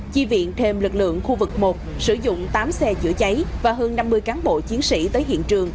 chi viện thêm lực lượng khu vực một sử dụng tám xe chữa cháy và hơn năm mươi cán bộ chiến sĩ tới hiện trường